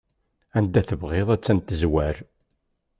Anda tebɣiḍ attan tezwar.